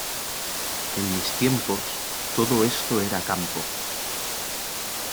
En mis tiempos, todo esto era campo.